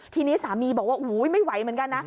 ทีนี้สามีบอกว่าไม่ไหวเหมือนกันนะ